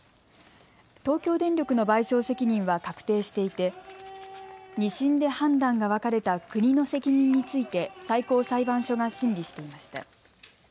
東京電力の賠償責任は確定していて２審で判断が分かれた国の責任について最高裁判所が審理していました。